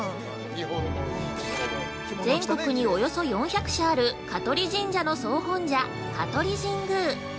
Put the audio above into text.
◆全国におよそ４００社ある香取神社の総本社香取神宮。